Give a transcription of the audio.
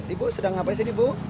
ibu sedang ngapain sih ibu